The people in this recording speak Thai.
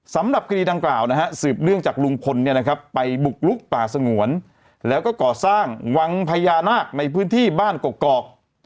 สำหรับคดีดังกล่าวนะฮะสืบเนื่องจากลุงพลไปบุกลุกป่าสงวนแล้วก็ก่อสร้างวังพญานาคในพื้นที่บ้านกอก